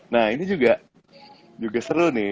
nah ini juga seru nih